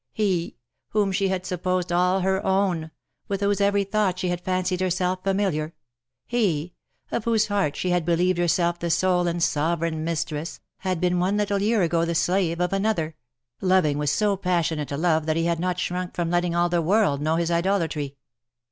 He, whom she had supposed all her own, with whose every thought she had fancied herself familiar, he, of whose heart she had believed herself the sole and sovereign mistress, had been one little year ago the slave of another— loving with so passionate a love that he had not shrunk from letting all the world know his idolatry.